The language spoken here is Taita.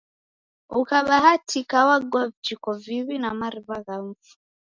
Ukabahatika wagua vijiko viw'i va mariw'a gha mfu.